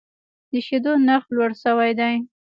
د شیدو نرخ لوړ شوی دی.